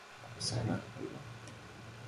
إغتال قلبي يا له من جائر